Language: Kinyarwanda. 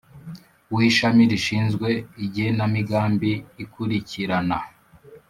w Ishami rishinzwe Igenamigambi Ikurikirana